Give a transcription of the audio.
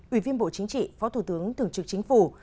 ủy viên bộ chính trị phó thủ tướng thường trực chính phủ